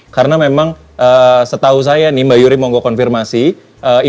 karena memang setahu saya nih mbak yuri mau gue konfirmasi